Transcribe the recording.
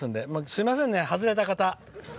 すいませんね、外れた方。